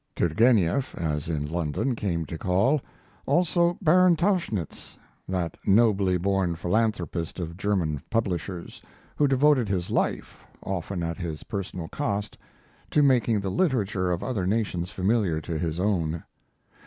Turgenieff, as in London, came to call; also Baron Tauchnitz, that nobly born philanthropist of German publishers, who devoted his life, often at his personal cost, to making the literature of other nations familiar to his own.